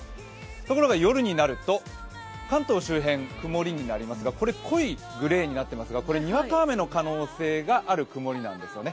ところが夜になると関東周辺、曇りになりますが、濃いグレーになっていますがこれは、にわか雨の可能性がある曇りなんですよね。